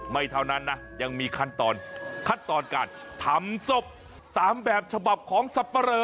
เท่านั้นนะยังมีขั้นตอนขั้นตอนการทำศพตามแบบฉบับของสับปะเลอ